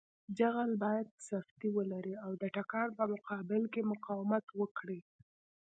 جغل باید سفتي ولري او د تکان په مقابل کې مقاومت وکړي